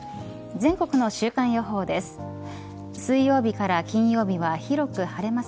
全国の週間予報です。